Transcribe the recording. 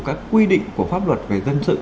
các quy định của pháp luật về dân sự